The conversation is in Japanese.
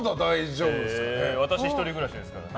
私、１人暮らしですからね。